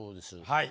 はい。